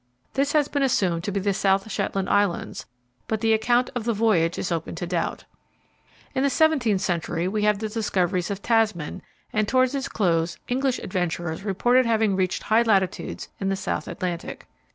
This has been assumed to be the South Shetland Islands, but the account of the voyage is open to doubt. In the seventeenth century we have the discoveries of Tasman, and towards its close English adventurers reported having reached high latitudes in the South Atlantic.